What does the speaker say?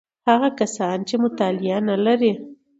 هغه کسان چې مطالعه نلري: